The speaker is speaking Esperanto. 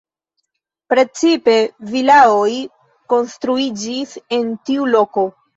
Precipe vilaoj konstruiĝis en tiu loko.